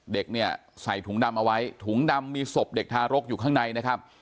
เด็กเนี่ยใส่ถุงดำเอาไว้ถุงดำมีศพเด็กทารกอยู่ข้างในนะครับ